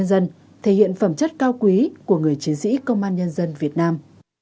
công an nhân dân thể hiện phẩm chất cao quý của người chiến sĩ công an nhân dân việt nam